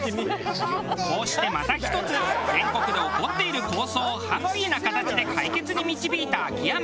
こうしてまた１つ全国で起こっている抗争をハッピーな形で解決に導いた秋山。